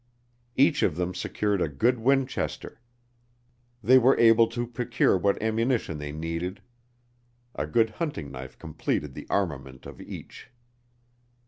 Each of them secured a good Winchester. They were able to procure what ammunition they needed. A good hunting knife completed the armament of each.